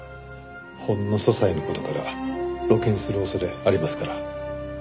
ほんの些細な事から露見する恐れありますから。